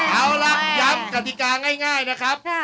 เอาล่ะย้ำกติกาง่ายนะครับ